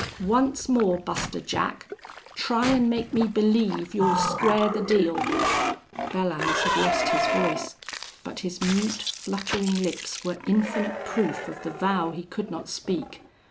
Once more, Buster Jack try an' make me believe you'll square the deal." Belllounds had lost his voice. But his mute, fluttering lips were infinite proof of the vow he could not speak.